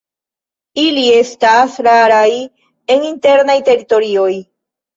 Ili estas raraj en internaj teritorioj.